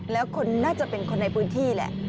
แล้วคนน่าจะเป็นคนในพื้นที่แหละ